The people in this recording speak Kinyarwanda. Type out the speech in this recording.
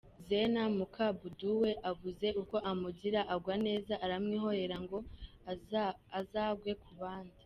Zena Mukabuduwe abuze uko amugira agwa neza aramwihorera ngo azagwe ku bandi.